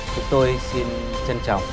chúng tôi xin chân trọng